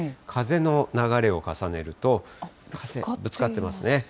風の流れを重ねると、ぶつかってますね。